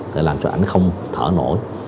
để làm cho ảnh không thở nổi